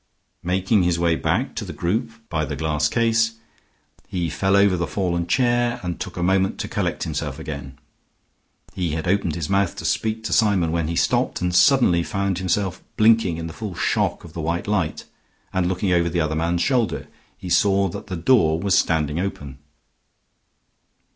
Making his way back to the group by the glass case, he fell over the fallen chair and took a moment to collect himself again. He had opened his mouth to speak to Symon, when he stopped, and suddenly found himself blinking in the full shock of the white light, and looking over the other man's shoulder, he saw that the door was standing open.